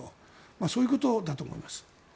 そういうことだと思います。